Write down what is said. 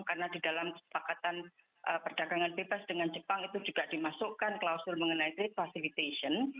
karena di dalam kesepakatan perdagangan bebas dengan jepang itu juga dimasukkan klausur mengenai trade facilitation